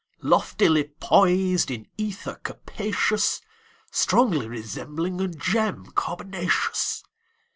Loftily poised in ether capacious, Strongly resembling a gem carbonaceous.